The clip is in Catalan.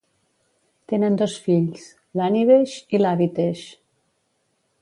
Tenen dos fills, l'Anivesh i l'Avitesh.